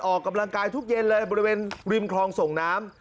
ออกกำลังกายทุกเย็นเลยบริเวณริมคลองส่งน้ำ